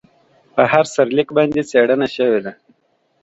په هر سرلیک باندې څېړنه شوې ده.